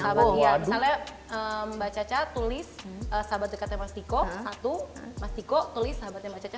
sama misalnya mbak caca tulis sahabat dekatnya mas diko satu mas diko tulis sahabatnya mbak caca